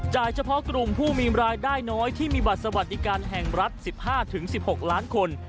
เฉพาะกลุ่มผู้มีรายได้น้อยที่มีบัตรสวัสดิการแห่งรัฐ๑๕๑๖ล้านคน